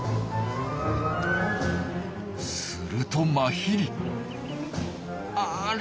するとマヒリあれ？